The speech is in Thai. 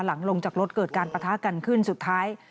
ลงจากรถเกิดการปะทะกันขึ้นสุดท้าย